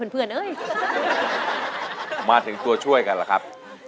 สู้ครับ